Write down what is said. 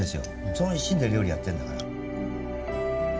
その一心で料理やってんだから。